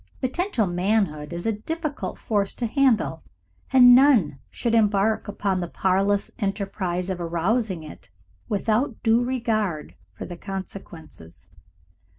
Potential manhood is a difficult force to handle, and none should embark upon the parlous enterprise of arousing it without due regard for the consequences.